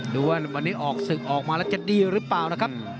ดูว่าวันนี้ออกศึกออกมาแล้วจะดีหรือเปล่านะครับ